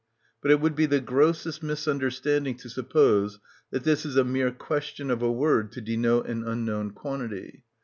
But it would be the grossest misunderstanding to suppose that this is a mere question of a word to denote an unknown quantity.